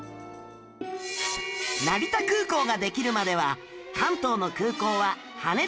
成田空港ができるまでは関東の空港は羽田空港だけ